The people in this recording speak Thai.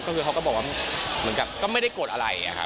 และเค้าก็บอกว่ามันกันก็ไม่ได้กดอะไร